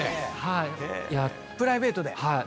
プライベートで⁉はい。